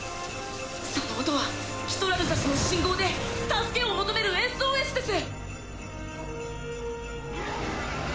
その音はキトラルザスの信号で助けを求めるＳＯＳです。